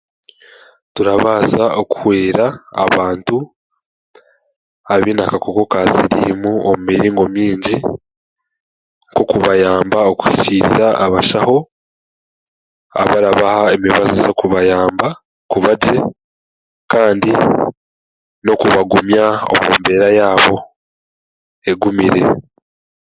Turabaasa okuhwera abantu abaine akakooko ka siriimu omu miringo mingi nk'okubayamba okuhikirira abashaho abarabaha emizi z'okubayamba kubagye kandi n'okubagunya omu mbeera yaabo egumire